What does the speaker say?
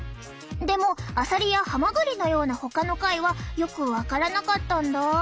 でもあさりやはまぐりのようなほかの貝はよく分からなかったんだ。